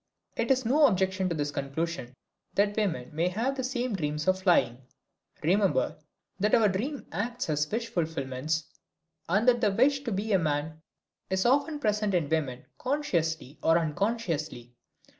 It is no objection to this conclusion that women may have the same dreams of flying. Remember that our dreams act as wish fulfillments, and that the wish to be a man is often present in women, consciously or unconsciously.